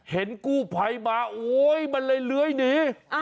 เห็นกู้ไพมามันเลยเลื้อยหนี